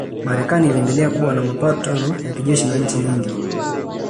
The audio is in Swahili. Marekani iliendelea kuwa na mapatano ya kijeshi na nchi nyingi